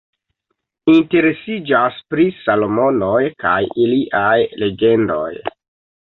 Interesiĝas pri Salomonoj kaj iliaj legendoj.